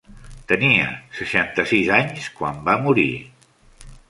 Tenia seixanta-sis anys quan va morir.